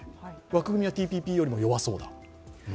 枠組みはＴＰＰよりも弱そうだ。